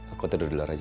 aku ntar duduk aja